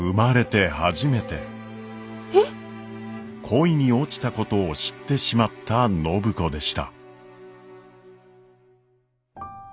恋に落ちたことを知ってしまった暢子でした。